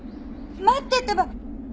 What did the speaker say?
待ってってば！